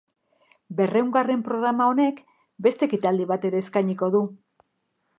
Berrehungarren programa honek beste ekitaldi bat ere eskainiko du.